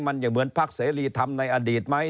มันยังเหมือนพักเสรีธรรมในอดีตไหม